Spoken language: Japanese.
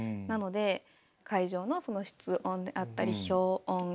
なので会場の室温であったり氷温。